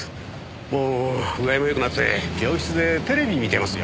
もう具合もよくなって病室でテレビ見てますよ。